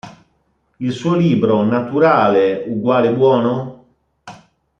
Il suo libro "Naturale=buono?